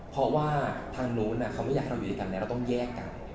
เพราะว่าทางนู้นเขาไม่อยากให้เราอยู่ด้วยกันแล้วเราต้องแยกกัน